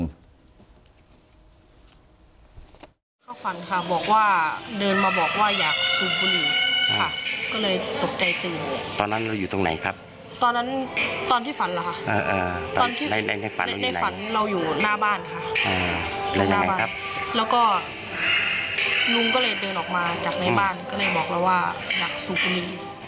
ก็เลยตกใจตื่นตอนนั้นเราอยู่ตรงไหนครับตอนนั้นตอนที่ฝันหรอครับตอนที่ได้ฝันเราอยู่หน้าบ้านครับแล้วก็ลุงก็เลยเดินออกมาจากในบ้านก็เลยบอกเราว่าอยากสูบกูลี